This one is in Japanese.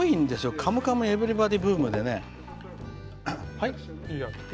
「カムカムエヴリバディ」ブームでね。